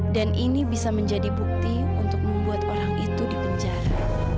dan ini bisa menjadi bukti untuk membuat orang itu di penjara